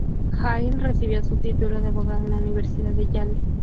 Hill recibió su título de abogada en la Universidad de Yale.